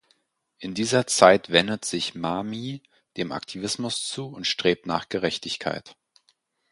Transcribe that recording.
In dieser Zeit wendet sich Mamie dem Aktivismus zu und strebt nach Gerechtigkeit.